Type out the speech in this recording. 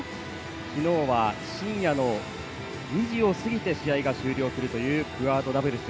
昨日は深夜の２時を過ぎて試合が終了するというクアードダブルス。